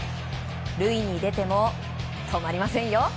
塁に出ても止まりませんよ。